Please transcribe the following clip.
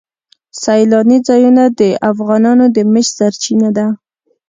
سیلانی ځایونه د افغانانو د معیشت سرچینه ده.